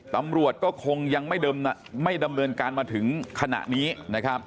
ตำรวจก็คงยังไม่ดำเนินการมาถึงขณะนี้นะครับ